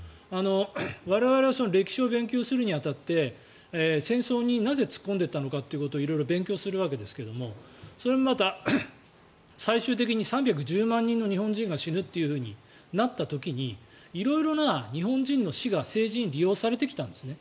我々は歴史を勉強するに当たって戦争になぜ突っ込んでいったのかということを色々勉強するわけですがそれもまた最終的に３１０万人の日本人が死ぬというふうになった時に色々な日本人の死が政治に利用されてきたんですね。